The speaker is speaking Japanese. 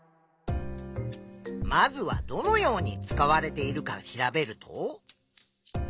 まずはどのように使われているか調べると？